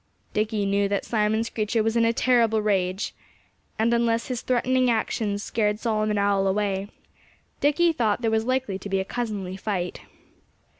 Dickie knew that Simon Screecher was in a terrible rage. And unless his threatening actions scared Solomon Owl away, Dickie thought there was likely to be a cousinly fight.